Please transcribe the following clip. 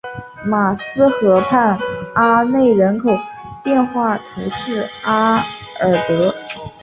马恩河畔阿内人口变化图示戈尔德